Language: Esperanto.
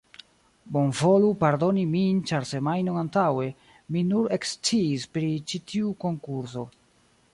Bonvolu pardoni min ĉar semajnon antaŭe, mi nur eksciis pri ĉi tiu konkurso